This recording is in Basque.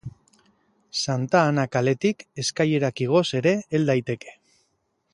Santa Ana kaletik eskailerak igoz ere hel daiteke.